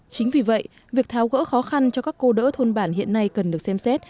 chính vì vậy việc tháo gỡ khó khăn cho các cô đỡ thôn bản hiện nay cần được xem xét